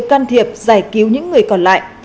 can thiệp giải cứu những người còn lại